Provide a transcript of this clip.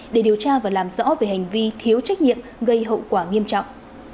để điều tra và làm rõ về hành vi thiếu trách nhiệm gây hậu quả nghiêm trọng